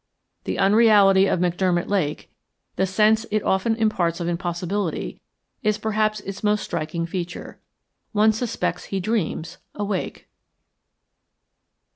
The unreality of McDermott Lake, the sense it often imparts of impossibility, is perhaps its most striking feature. One suspects he dreams, awake.